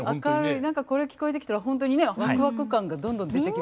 何かこれ聞こえてきたら本当にねワクワク感がどんどん出てきますね。